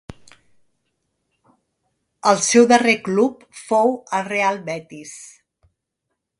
El seu darrer club fou el Real Betis.